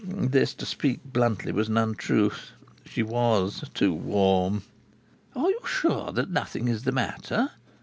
This, to speak bluntly, was an untruth. She was too warm. "Are you sure that nothing is the matter?"